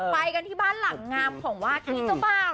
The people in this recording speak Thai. ไปกันที่บ้านหลังงามของวาดที่เจ้าบ่าว